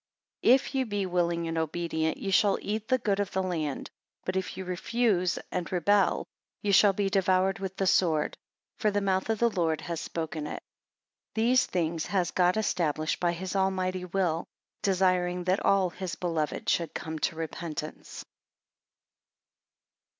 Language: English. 14 If ye be willing and obedient ye shall eat the good of the land but, if ye refuse and rebel, ye shall be devoured with the sword; for the mouth of the Lord hath spoken it. 15 These things has God established by his Almighty will, desiring that all his beloved should come to repentance.